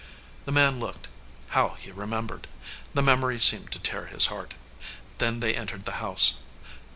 The man looked. How he remembered! The memory seemed to tear his heart. Then they en tered the house.